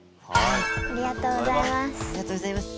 ありがとうございます。